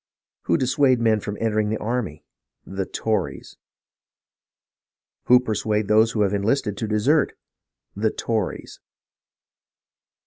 Who dissuade men from entering the army ? The Tories ! Who persuade those who have enlisted to desert ? The Tories